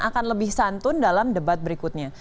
akan lebih santun dalam debat berikutnya